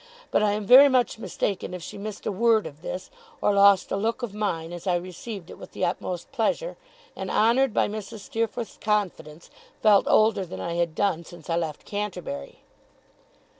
But I am very much mistaken if she missed a word of this, or lost a look of mine as I received it with the utmost pleasure, and honoured by Mrs. Steerforth's confidence, felt older than I had done since I left Canterbury.